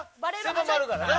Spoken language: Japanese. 狭まるからな。